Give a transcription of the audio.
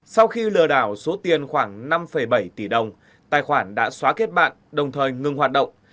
sau khi lừa đảo số tiền khoảng năm bảy tỷ đồng tài khoản đã xóa kết bạn đồng thời ngừng hoạt động